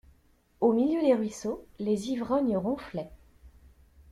Au milieu des ruisseaux, les ivrognes ronflaient.